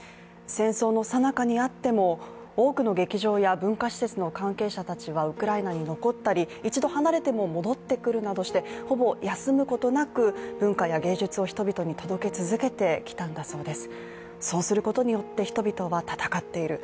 戦争のさなかにあっても多くの劇場や文化施設の関係者たちはウクライナに残ったり、一度離れても戻ってくるなどしてほぼ休むことなく文化や芸術を人々に届けていたんだそうです。